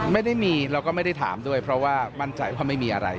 ไม่ได้มีแล้วก็ไม่ได้ถามด้วยเพราะว่ามั่นใจว่าไม่มีอะไร